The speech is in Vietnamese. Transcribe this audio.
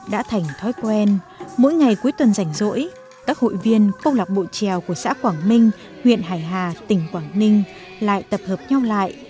đã thành thói quen mỗi ngày cuối tuần rảnh rỗi các hội viên câu lạc bộ trèo của xã quảng minh huyện hải hà tỉnh quảng ninh lại tập hợp nhau lại